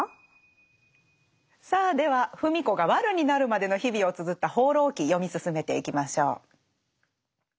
さあでは芙美子がワルになるまでの日々をつづった「放浪記」読み進めていきましょう。